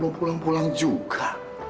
mau pulang pulang juga